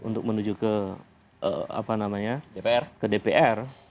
untuk menuju ke dpr